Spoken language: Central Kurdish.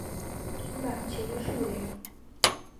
با بچینە ژوورێ.